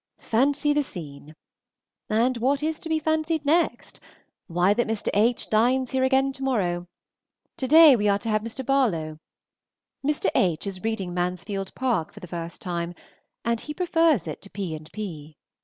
Fancy the scene! And what is to be fancied next? Why, that Mr. H. dines here again to morrow. To day we are to have Mr. Barlow. Mr. H. is reading "Mansfield Park" for the first time, and prefers it to P. and P.